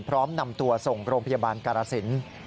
พร้อมนำตัวส่งโรงพยาบาลการณ์ศิลป์